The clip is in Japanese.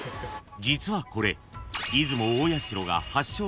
［実はこれ］